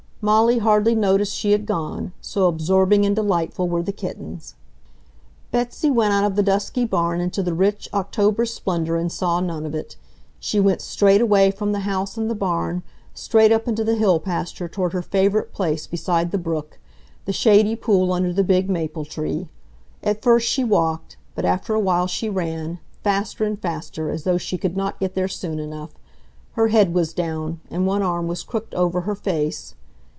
Molly hardly noticed she had gone, so absorbing and delightful were the kittens. Betsy went out of the dusky barn into the rich, October splendor and saw none of it. She went straight away from the house and the barn, straight up into the hill pasture toward her favorite place beside the brook, the shady pool under the big maple tree. At first she walked, but after a while she ran, faster and faster, as though she could not get there soon enough. Her head was down, and one arm was crooked over her face....